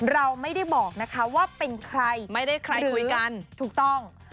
เราไม่ได้บอกนะคะว่าเป็นใครไม่ได้ใครคุยกันถูกต้อง